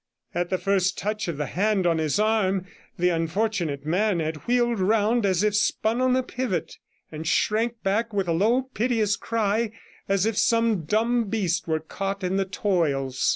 At the first touch of the hand on his arm the unfortunate man had wheeled round as if spun on a pivot, and shrank back with a low, piteous cry, as if some dumb beast were caught in the toils.